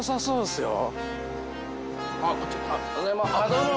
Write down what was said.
どうも。